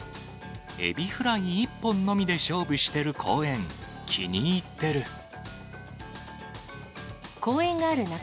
エビフライ１本のみで勝負してる公園、気に入ってる。